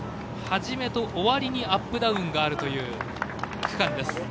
初めと終わりにアップダウンがあるという区間。